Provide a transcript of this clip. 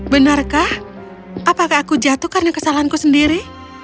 benarkah apakah aku jatuh karena kesalahanku sendiri